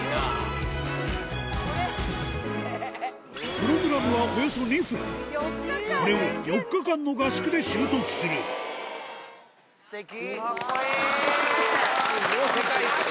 プログラムはおよそ２分これを４日間の合宿で習得するすてき！